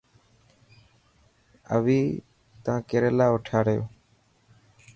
اوي تا ڪيريلا اوٺاڙيو.